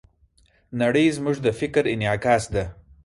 نړۍ زموږ د فکر انعکاس ده.